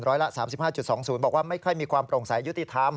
ละ๓๕๒๐บอกว่าไม่ค่อยมีความโปร่งใสยุติธรรม